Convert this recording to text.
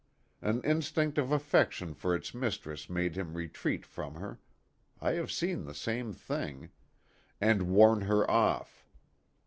An instinct of affection for its mistress made him retreat from her I have seen the same thing and warn her off.